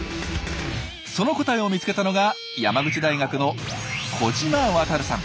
その答えを見つけたのが山口大学の小島渉さん。